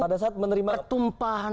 ulama itu pertumpahan